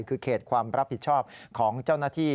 คือเขตความรับผิดชอบของเจ้าหน้าที่